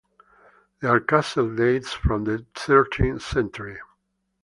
Their castle dates from the thirteenth century.